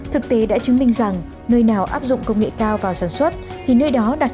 thực tế đã chứng minh rằng nơi nào áp dụng công nghệ cao vào sản xuất thì nơi đó đặt